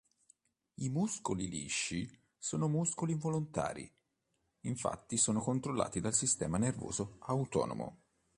I muscoli lisci sono muscoli involontari, infatti sono controllati dal sistema nervoso autonomo.